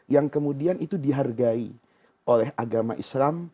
yang kemudian itu dihargai oleh agama islam